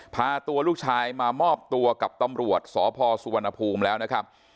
พาตัวลูกชายมามอบตัวกับตำรวจสพสุวรรณภูมิแล้วนะครับ